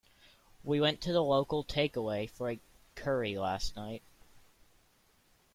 We went to the local takeaway for a curry last night